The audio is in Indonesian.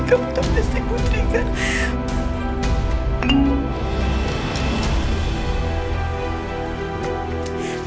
kamu tetep pasti putri kan